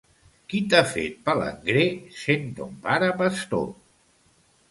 Qui t'ha fet palangrer, sent ton pare pastor?